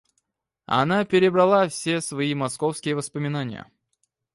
Она перебрала все свои московские воспоминания.